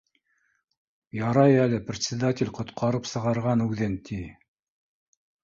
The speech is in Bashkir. Ярай әле предсе датель ҡотҡарып сығарған үҙен, ти